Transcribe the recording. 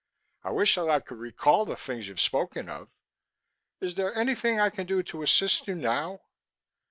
"I wish that I could recall the things you've spoken of. Is there anything I can do to assist you now?"